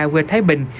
quê thái bình